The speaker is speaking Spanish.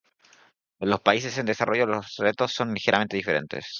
En los países en desarrollo los retos son ligeramente diferentes.